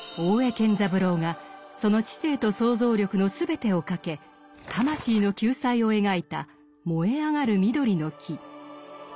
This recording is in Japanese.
健三郎がその知性と想像力の全てをかけ魂の救済を描いた「燃えあがる緑の木」。